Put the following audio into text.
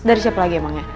dari siapa lagi emangnya